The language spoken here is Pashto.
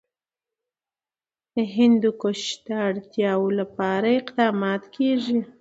د هندوکش د اړتیاوو لپاره اقدامات کېږي.